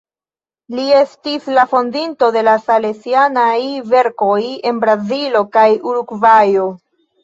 Li estis la fondinto de la salesianaj verkoj en Brazilo kaj Urugvajo.